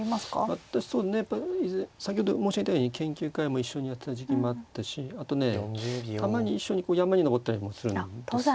私そうねやっぱ先ほど申し上げたように研究会も一緒にやってた時期もあったしあとねたまに一緒に山に登ったりもするんですよ。